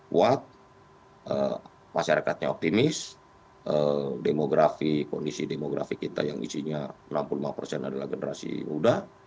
kuat masyarakatnya optimis demografi kondisi demografi kita yang isinya enam puluh lima persen adalah generasi muda